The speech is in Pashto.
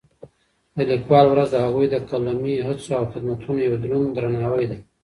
د لیکوالو ورځ د هغوی د قلمي هڅو او خدمتونو یو دروند درناوی دی.